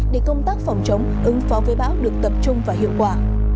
để công tác phòng chống ứng phó với bão được tập trung và hiệu quả